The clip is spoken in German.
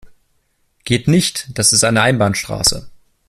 Geht nicht, das ist eine Einbahnstraße.